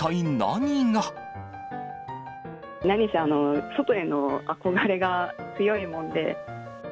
何せ、外への憧れが強いもんで。